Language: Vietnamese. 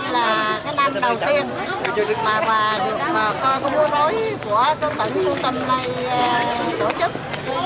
lần đầu tiên mà có mùa dối của con tum này tổ chức